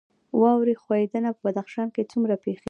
واورې ښویدنه په بدخشان کې څومره پیښیږي؟